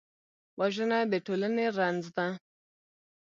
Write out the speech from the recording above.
وژنه د ټولنې رنځ ده